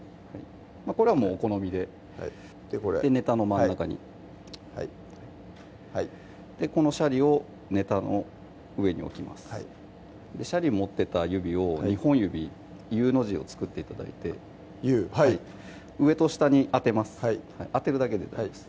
これはお好みでネタの真ん中にはいこのシャリをネタの上に置きますはいシャリ持ってた指を２本指Ｕの字を作って頂いてＵはい上と下に当てます当てるだけで大丈夫です